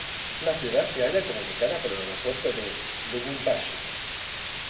La ciudad se halla comunicada por el Aeropuerto de Lubumbashi.